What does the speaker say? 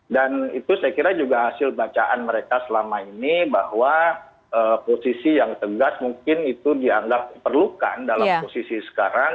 dan itu saya kira juga hasil bacaan mereka selama ini bahwa posisi yang tegas mungkin itu dianggap perlukan dalam posisi sekarang